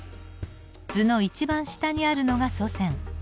図の一番下にあるのが祖先。